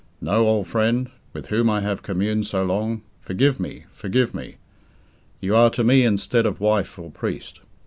No, old friend, with whom I have communed so long, forgive me, forgive me. You are to me instead of wife or priest.